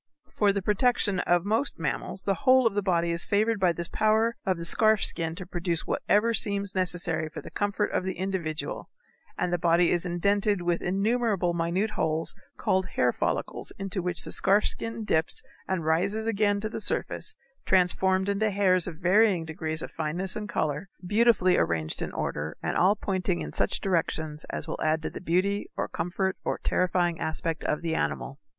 For the protection of most mammals the whole of the body is favored by this power of the scarf skin to produce whatever seems necessary for the comfort of the individual, and the body is indented with innumerable minute holes called hair follicles into which the scarf skin dips and rises again to the surface transformed into hairs of varying degrees of fineness and color, beautifully arranged in order, and all pointing in such directions as will add to the beauty or comfort or terrifying aspect of the animal.